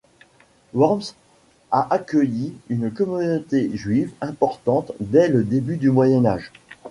Worms a accueilli une communauté juive importante dès le début du Moyen Âge.